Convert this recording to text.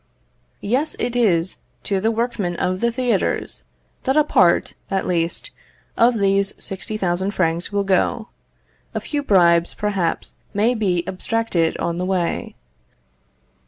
Yes, it is to the workmen of the theatres that a part, at least, of these 60,000 francs will go; a few bribes, perhaps, may be abstracted on the way.